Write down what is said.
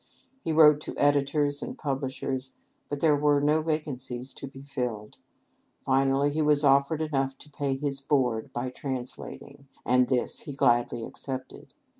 He wrote to editors and publishers; but there were no vacancies to be filled. Finally he was offered enough to pay his board by translating, and this he gladly accepted.